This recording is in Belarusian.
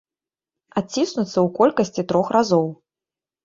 Адціснуцца ў колькасці трох разоў!